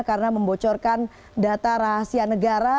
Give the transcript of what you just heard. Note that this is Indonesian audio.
karena membocorkan data rahasia negara